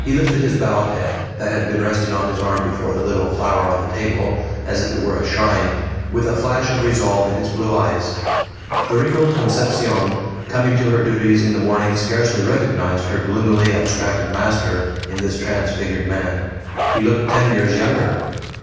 He lifted his bowed head, that had been resting on his arm before the little flower on the table as if it were a shrine with a flash of resolve in his blue eyes. The wrinkled Concepcion coming to her duties in the morning scarcely recognized her gloomily abstracted master in this transfigured man. He looked ten years younger.